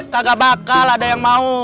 kagak bakal ada yang mau